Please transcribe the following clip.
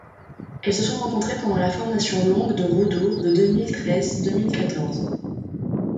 Elles se sont rencontrées pendant la formation longue de Roudour de deux mille treize deux mille quatorze.